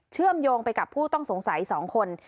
เชื่อมโยงไปกับผู้ต้องสงสัย๒คน